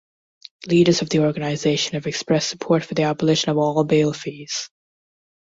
Leaders of the organization have expressed support for the abolition of all bail fees.